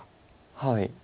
はい。